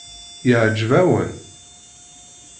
Iɛǧeb-awen?